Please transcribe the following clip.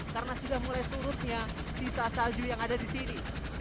karena sudah mulai surutnya sisa salju yang ada di sini